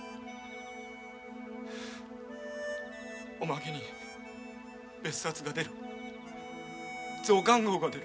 おまけに別冊が出る増刊号が出る。